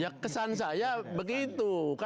ya kesan saya begitu